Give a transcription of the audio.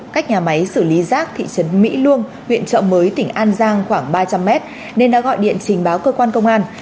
cách nhà máy xử lý rác thị trấn mỹ luông huyện trợ mới tỉnh an giang khoảng ba trăm linh mét nên đã gọi điện trình báo cơ quan công an